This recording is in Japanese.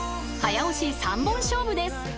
［早押し３本勝負です］